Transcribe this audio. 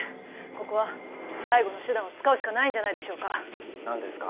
ここは最後の手段を使うしかないんじゃないでしょうか何ですか？